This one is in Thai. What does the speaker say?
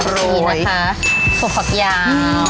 พรสุจน์ผักยาว